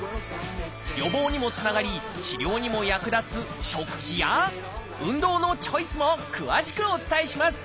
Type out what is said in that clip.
予防にもつながり治療にも役立つ食事や運動のチョイスも詳しくお伝えします。